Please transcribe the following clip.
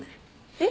えっ？